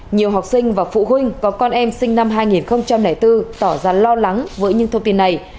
nhiều học sinh và phụ huynh có con em sinh năm hai nghìn bốn tỏ ra lo lắng với những thông tin này